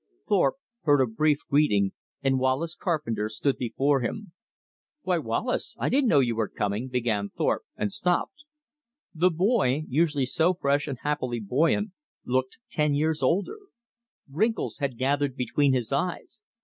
Thorpe heard a brief greeting, and Wallace Carpenter stood before him. "Why, Wallace, I didn't know you were coming!" began Thorpe, and stopped. The boy, usually so fresh and happily buoyant, looked ten years older. Wrinkles had gathered between his eyes.